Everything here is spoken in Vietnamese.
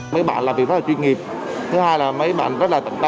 mấy bạn làm việc rất là chuyên nghiệp thứ hai là mấy bạn rất là tận tâm và tận tầm